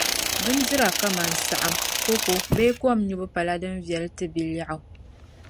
Bindira kaman’ saɣim, koko bee kɔm nyubu pala din viɛli n-ti bilɛɣu.